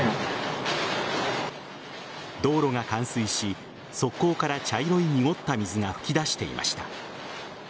道路が冠水し、側溝から茶色い濁った水が噴き出していました。